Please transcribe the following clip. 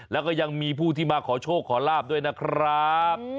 แล้วก็ยังมีผู้ที่มาขอโชคขอลาบด้วยนะครับ